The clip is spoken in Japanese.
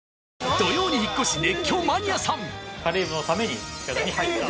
土曜に引っ越し「熱狂マニアさん！」